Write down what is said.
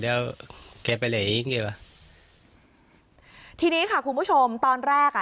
เดี๋ยวแกไปเหล่งโอเควะทีนี้ค่ะคุณผู้ชมตอนแรกอ่ะ